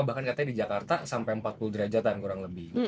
bahkan katanya di jakarta sampai empat puluh derajat kurang lebih